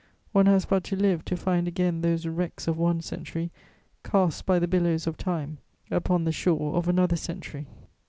One has but to live to find again those wrecks of one century cast by the billows of time upon the shore of another century.